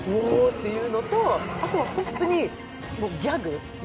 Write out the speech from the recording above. ていうのと、あと本当にギャグの。